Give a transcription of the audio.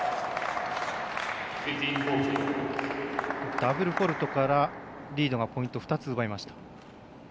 ダブルフォールトからリードがポイント２つ奪いました。